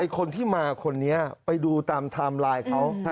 คนที่มาคนนี้ไปดูตามไทม์ไลน์เขา